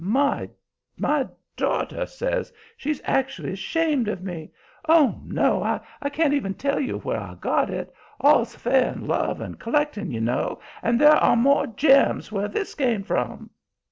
My daughter says she's actually ashamed of me. Oh, no! I can't tell even you where I got it. All's fair in love and collecting, you know, and there are more gems where this came from."